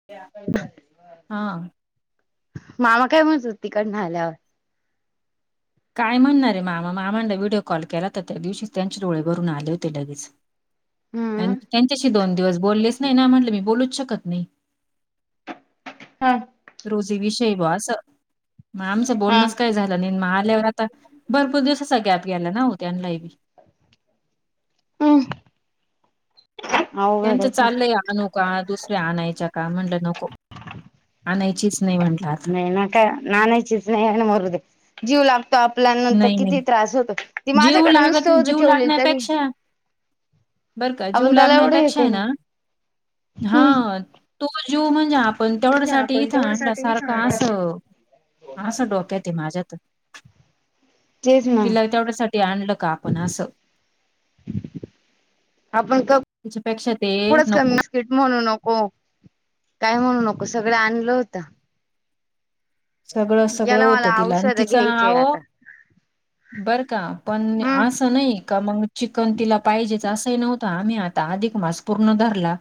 [inaudible] हा मामा काय म्हणत होत तिकडनं आल्यावर? काय म्हणणार रे मामा मामान व्हिडिओ कॉल केला तर त्या दिवशीच त्यांचे डोळे भरून आले होते लगेच. आणि हम्म त्यांच्याशी दोन दिवस बोललेच नाही ना म्हटले मी बोलूच शकत नाही. हा रोजी विषय ब असं मग आमचं हा बोलणंच काय झालं म आल्यावर आता भरपूर दिवसाचा गॅप गेला ना हो त्यांनलायबी. [unintelligible] ह त्यांंत चालय अनो का दुसऱ्या आणायच्या का म्हटलं नको आणायचीच नाही म्हटला काय नानायचीच नाही आणि मरद जीव लागतो आपल्यानंतर नाही नाही किती त्रास होतो जीव माझ्याकडे नुसतं लागत होत जीव ठेवलेली तरी लागण्यापेक्षा बर का जीव आपण त्याला एवढं हे लागण्यापेक्षा आहे करू ना हा तो जीव म्हणजे आपण आपण तेवढ्यासाठीथांड तेवढ्यासाठी सारखं विचार अस हा असं डोक्याेत माझ्यात तेच ना सा आणलं का आपण असं आपण त्याच्यापेक्षा ते नको फिट म्हणू नको काय म्हणू नको सगळं आणलं होतं. सगळं सगळं याला होतं मला तिला आणि औषध तिचं घ्यायचे नाव आता बर का पण हम्म असं नाही का मग चिकन तिला पाहिजेच असंही नव्हतं आम्ही आता अधिक मास पूर्ण धरला.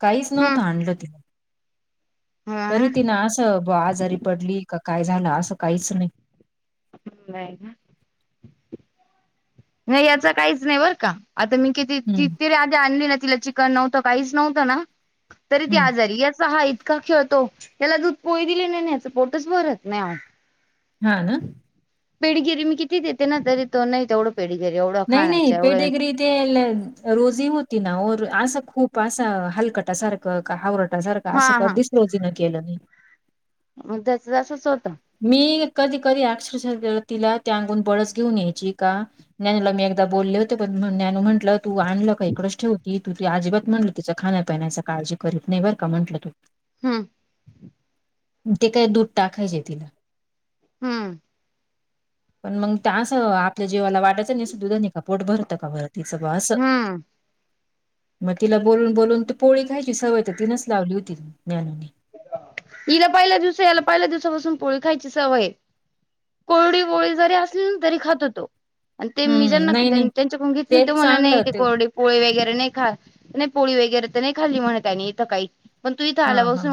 काहीच नव्हतं हम्म आणलं तिला. तरी तिन असं बा आजारी पडली की काय झालं असं काहीच नाही. [unintelligible] नाही याचा काहीच नाही बर का आता मी किती ति हम्म तरी आधी आणली ना तिला च नव्हतं काहीच नव्हतं ना तरी ती हम्म आजारी अस हा का खेळतो त्याला दूध पोई दिले नाहीच पोटच भरत नाही हा पेडगिरी मी किती देते ना तरी तो नाही तेवढं पेळीगिरी एवढं नाही नाही खाण्याच्या एवढं पेडेगिरी ते रोजी होती ना र असं खूप असा हलकटासारखं हावरटासारखं का हा असं हा कधीच लोजीन केलं नाही त्याच तसच होतं मी कधी कधी अक्षरश तिला त्या अगून बळस घेऊन यायची का नञनीला मी एकदा बोलले होते पण नञू म्हटलं तू आणलं का इकडच ठेवती तू ती अजिबात म्हटल तिचं खाण्यापिण्याची काळजी करी नाही बर का म्हटलं तू हम्म ते काय दूर टाकायचे तिला हम्म पण मग त्यासं आपल्या जीवाला वाटयचंय असं दध नाही का पोट भरतं का भरं तिचं भास हम्म मग तिला बोलून बोलून तर पोळी ख्यायची सवय तर तीनच लावली होती ज्ञानोनी हला पहिल्या दिवस याला पहिल्या दिवसापासून पोळी खायची सवय कोरडी वोळी जरी असली ना तरी खातो तो आणि ते मी हम्म ज्यांना नाही नाही त्यांच्याकडून घेतली ते तेच म्हणा चांगलं नाही ते होत कोरडे पोळी वगैरे नाही खा नाही पोळी वगैरे तर नाही खाल्ली म्हणतय इथं काही पण तू इथ हा आला ब हा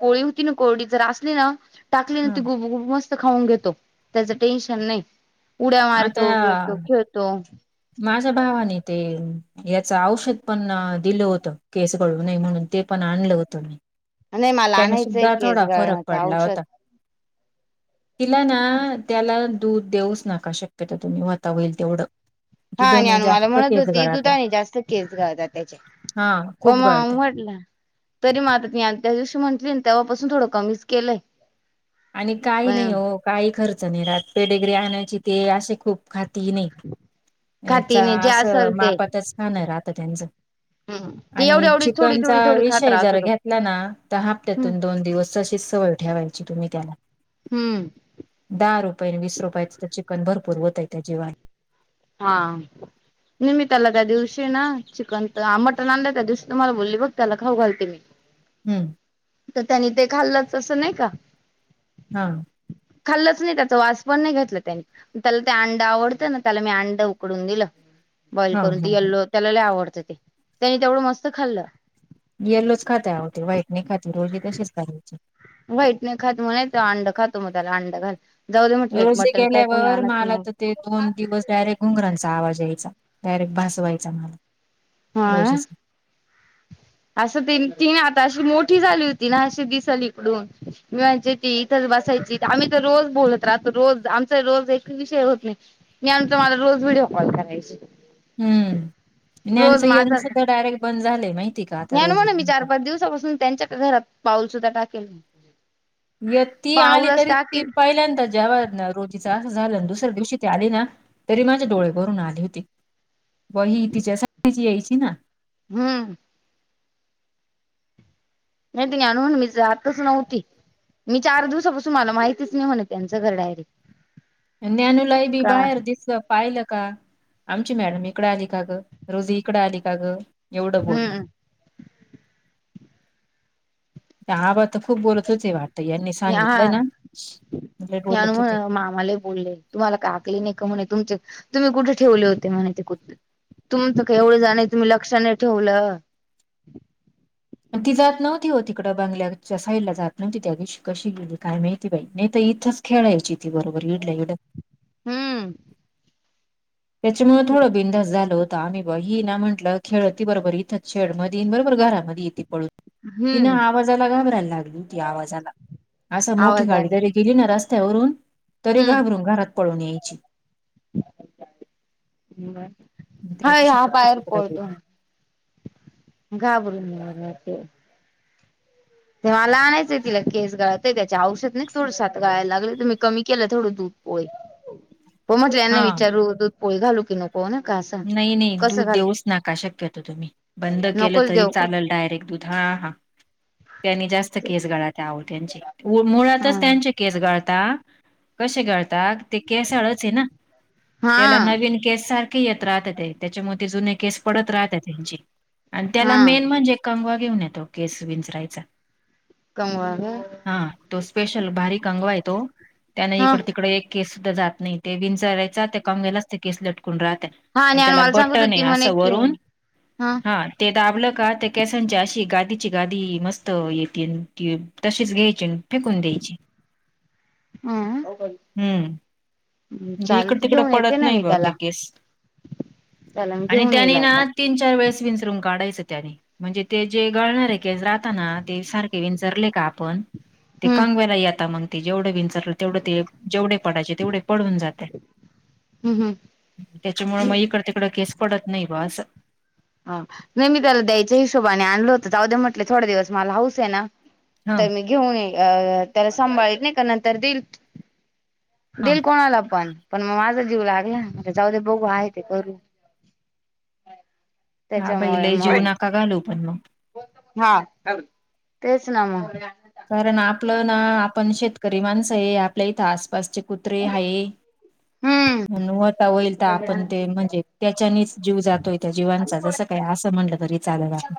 पोळी होती को ज असली ना टाकली हा त गु मस्त खाऊन घेतो त्याच टेन्शन नाही उड्या मारतो पेतो आता खेळतो माझ्या भावाने ते याच औषध पण दिलं होत केस गळू नाहीय म्हणून ते पण आणलं होतं नाही मला त्यानी आणायचंय सुद्धा केस थोडा फरक गळण्याच पडला औषध होता तिला ना त्याला दूध देऊच नका शक्यता तुम्ही वता होईल तेवढं हा आणि दुधाने अनु मला जास्त म्हणत केस होती गळात आहे दुधाने जास्त केस घाळतात त्याचे हा खूप पमा आम गळते. म्हटलं तरी म आता ती त्या दिवशी म्हटली तेव्हापासून थोडं कमीच केलंय आणि काही नाही पण हो काही खर्च नाही राात पेडेगरी आणायची ते असे खूप खातीने खाती नाही जे असेल असं मापातच खाानं राहत त्यांचं हा आणि चिकनचा विषय जर होतो घेतला ना तर हा्त्यातून दोन दिवस तशीच सवय ठेवायची तुम्ही त्याला हम्म दहा रुपये आणि वीस रुपयाचं तर चिकन भरपूर होत आहे त्या जीवाला हां निमित त्याला त्या दिवशी ना चिकन तर मटन आणलं त्या दिवशी तुम्हाला बोलली बघ त्याला खाऊ घालते मी [inaudible] हम्म तर त्यांनी ते खाल्लंच असं नाही का हा. खाल्लच नाही त्याच वास पण नाही घेतलं त्यानी त्याला ते अंड आवडतं ना त्याला मी अंड उकडून दिलं बॉईल हा करून हा ते ह यल्लो त्याला ल आवडत ते त्यानी तेवढं मस्त खाल्लं येल्लोच खाता आ होते व्हाईटने खाते रोजी तसेच करायचे वाईट नाही खात म्हणाच अंड खातो मग त्याला अंड खाल जाऊ दे म्हटलं रोजी मटन काय कोणी गेल्यावर आणत मला ना तर ते दोन दिवस डायरेक्ट घोंगरांचा आवाज यायचा डायरेक्ट भासवायचा मला हा [unintelligible] असं ती आता अशी मोठी झाली होती ना अशी दिसेल इकडून मी म्हण ती इथंच बसायची आम्ही तर रोज बोलत राहतो रोज आमचा रोज एक विषय होत नाही. यानंतर मला रोज व्हिडिओ कॉल करायची. हम्म [unintelligible] येण सुद्धा डायरेक्ट बंद झालय नाही. ज्ञान म्हणून मी चार पाच दिवसापासून त्यांच्या घरात पाऊल सुद्धा टाकेल. य ती आली पाऊलच तरी ती टाकील पहिल्यांदा जेव ना रोज तीच अस झालं दुसऱ्या दिवशी ती आली ना तरी माझे डोळे भरून आली होती. ब ही तिच्यासाठीची यायची ना हम्म नाही ती आणून मी जातच नव्हती. मी चार दिवसापासून मला माहितीच नाही होणे त्यांचं घर डायरी नॅनूलाही बी बाहेर दिसत पाहिलं का आमची मॅडम इकडं आली का ग रोजी इकडं आली का ग एवढं बोलण हम्म ते आबा तर खूप बोलत होते वाटत यांनी सांगितलं हा ना म्हटले बोलत होते. मामा बोलले तुम्हाला का आकली नाही का म्हणे तुमचे तुम्ही कुठे ठेवले होते म्हणे ते कुठ तुमच का एवढं जाण तुम्ही लक्ष नाही ठेवलं. ती जात नव्हती हो तिकड बंगल्याच्या साईडला जात नव्हती त्या दिवशी कशी गेली काय माहिती बाई नाही तर इथंच खेळायची ती बरोबर [unintelligible] हम्म त्याच्यामुळ थोडं बिंदास झाल होत. आम्ही बघ ही ना म्हटलं खेळती बरोबर इथंच शेडमध्ये बरोबर घरामध्ये येती पळून ति ना हम्म आवाजाला घाबरायला लागली होती आवाजाला असं मोठी आवाज गाडी आला तरी गेली ना रस्त्यावरून तरी हम्म घाबरून घरात पळून यायची. त्या हा दिवशी ह्या कशी बाहेर तिकडं पळतो. गेली घाबरून ते ते मला आणायचंय तिला केस गळायत त्याच्या औषध नाही थोडसाताळायला लागलं तुम्ही कमी केलं थोडं दूध पोयल हो म्हटलं यांना हा विचारू दूध पोळी घालू की नको हो ना का नाही नाही कसं दूध घाल देऊच नका शक्यतो तुम्ही बंद केलं नकोच तरी देव कर चाललं डायरेक्ट दूध हा हा त्यांनी जास्त केस गळात आहो त्यांचे हा मुळातच त्यांचे केस गळता कसे गळता ते केसळच आहे ना हा त्याला नवीन केस सारखे येत राहत, त्याच्यामध्ये जुने केस पडत राहत त्यांची. आणि त्याला हा मेन म्हणजे, कंगवा घेऊन येतो केस विंचरायच. कवाग. हा तो स्पेशल बारीक कंगवा आहे, तो त्याने हा इकड तिकडे एक. केस सुद्धा जात नाही ते, विंचरायचा कम वेळेच ते, केस लटकून राहात. हा आणि त्याला मला सांगत बटन आहे होती म्हणे असं की वरुन हा. ते दाबलं का ते केसांच्या अशी गादीची गादी मस्त येेत, त तशीच घ्यायची. फेकून देची. [inaudible] हम्म. ् म्हणजे इकड चालत तिकड घेऊन येते पडत ना नाही मी, बा ते त्याला केस त्याला म घेऊन येते. त्याने आणि ना तीन चार वेळेस विनसरून काढायचं त्याने म्हणजे ते जे गळणार आहे केस राहताना ते सारखे विंचरले का आपण ते हम्म कांगव्याला येता म्हणते जेवढं विंचारलं तेवढं ते जेवढे पडायचे तेवढे पण जाते हम्म त्याच्यामुळे हम्म मग इकड तिकड केस पडत नाही बा अस. हा म मी त्याला द्यायच्या हिशोबाने आणलं होतं जाऊद्या म्हटले थोड दिवस मला हौस आहे ना हा तर मी घेऊन ये अ त्याला सांभाळत नाही का नंतर देईल. हा देल कोणाला पण पण मग माझा जीव लागला जाऊ दे बघू आहे ते करू हा त्याच्यामुळे पहिले जीऊ मग नका घालू पण मग. हा तेच ना मग. कारण आपलं ना आपण शेतकरी माणसं आहे, आपल्या इथं आसपासचे कुत्रे आहे. हम्. म्हण वता होईल तर आपण ते म्हणजे, त्याच्यानीच जीव जातोय त्या जीवांचा जस. काय असं म्हणटलं तरी चाललं बा.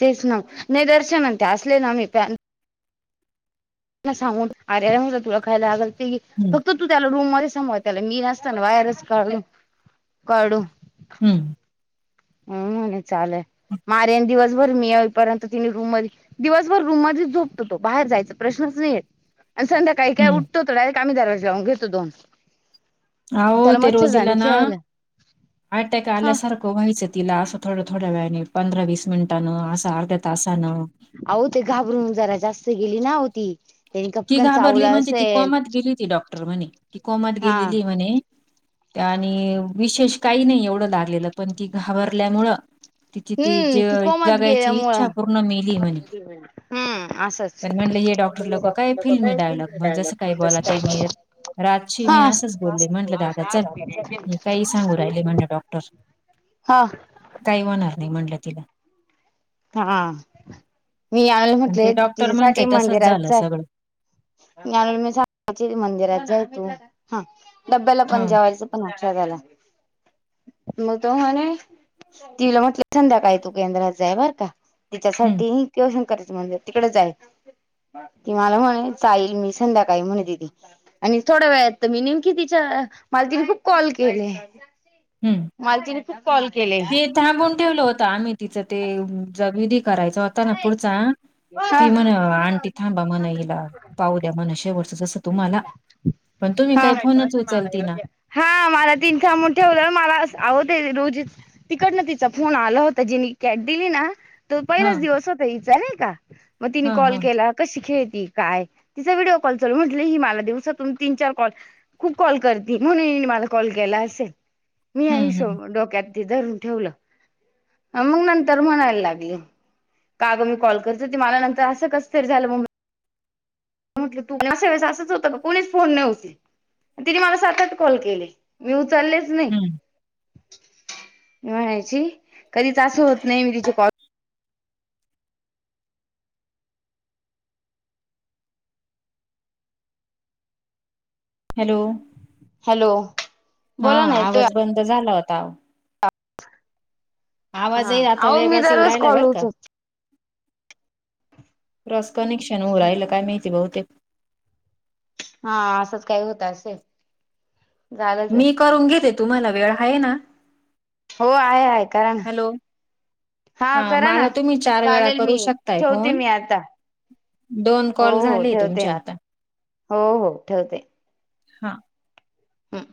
तेच ना नाही दर्शन ते असले ना आम्ही. साऊं आरे हो तुला खायला आगल हम्म फक्त. तू त्याला रूम मध्ये समळ त्याला, मी नसताना वायरच काढू काढू. हम्म. हम् चालेय मार्यान दिवसभर, मी येईपर्यंत तिने रूम मध्ये. दिवसभर रूम मध्ये झोपतो तो, बाहेर जायचा प्रश्नच नाहीयेत आणि संध्याकाळी. काही काय हम्म उठतो थोड आममी दरवान घेतो दोन. हो त्याला ते रोजला मच्छरदाणी ना खेळायला अटॅक हा आल्यासारख. व्हायचं तिला असं थोडं थोड्या वेळाने, पंधरा वीस मिनिटानं असं अर्ध्या तानं. अह हो ते घाबरून जरा जास्त गेली ना होती. त्यानी ती कपकन घाबरली चावला म्हणजे ती असेल कोमात गेली, होती डॉक्टर म्हणे ती कोमात हा गेलेली म्हणे. आणि विशेष काही नाही एवढं लागलेलं, पण की घाबरल्यामुळं. तिची त हम्म जे ती कोमात जगायची इच्छा गेल्यामुळं पूर्ण मेली म्हणे. हम्म असंच पण म्हणलं हे डॉक्टर लोक काय, डॉक्टरला तो फिल्मी इथून डायलॉग म्हण मिळायला जसं काही तसं काय बोलातय मीर. बरं. रातशी मी असंच बोलले म्हटलं, दादा चल मी काही सांगू राहिले म्हणलं डॉक्टर. हा. काही होणार नाही म्हणटलं तिला. हा मी यावेला पण ते म्हटले डॉक्टर तिच्यासाठी म्हंटले तसच मंदिरात झालं जा सगळं आहे. जान मी स मंदिरातचा तू हा डब्याला ह पण जेवायच. क्ष झाला. [unintelligible] मग तो म्हणे तीला म्हटलं, संध्याकाळी तू केंद्रात जाय बर. का हम्म तिच्यासाठी किंवा शंकराच म्हणजे तिकडेच आहे. ती मला म्हणे चाईल, मी संध्याकाळी म्हणे ती. आणि थोड्या वेळ य मी नेमकी, तिच्या मालकीने खूप कॉल केले. हम्म. मला तिने खूप कॉल केले. ते थांबून ठेवल होत आम्ही तिचं ते, विधी करायचा होता ना पुढचा. हा ती मण आणंटी थांबा म्हणा हला पाहू द्या, म्हणा शेवटच जसं तू मला. पण तुम्ही हा काय फोनच उचलती ना. हा मला तीन थांबून ठेवलं मला आवंत रोजी.. तिकडन तिचा फोन आला होता जिनी कॅट दिली ना.. त हा पहिलाच दिवस होता इ चालय का मग तिने हा कॉल हा केला. कशी खेळती काय तिचा व्हिडिओ कॉल चाू म्हट ही मला दिवसातून तीन चार कॉल. खूप कॉल करते म्हणून हिने मला कॉल केला असेल. मी या हम्म हम्म हिशोब डोक्यात धरून ठेवलं मग नंतर म्हणायला लागली. का अगं मी कॉल करते त ते मला नंतर असं कसतरि झालं ममी. म्हटलं तू असा वेळेस असंच होतं का कोणीच फोन नाही उचलत. तिने मला सात आठ कॉल केले, मी उचललेच नाही हम्म म्हणाय कधी त होत नाही मी तिचे कॉल हॅलो हॅलो हा बोला ना येतोय आवाज बंद झाला होता. आवाजही आता हा मी वेगळाच येऊ दरवेळेस राहिला कॉल बर का उचलते. क्रॉस कनेक्शन होउ राहिल काय माहिती बहुतेक. हा असंच काही होत असे झालंच आहे. मी करून घेते तुम्हाला वेळ आहे ना. हो आहे आहे कारा ना. हॅलो हा करा मला ना तुम्ही चार वेळा चालेल करू मी शकताय ठेवते फोन. मी आता दोन हो कॉल हो झाले ठेवते तुमचे मी आता. हो हो ठेवते. हा हम्.